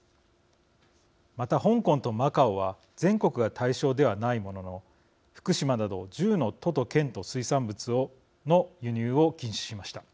また香港とマカオは全国が対象ではないものの福島など１０の都と県の水産物の輸入を禁止しました。